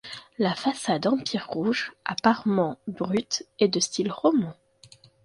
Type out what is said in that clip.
La façade en pierre rouge à parement brut est de style roman.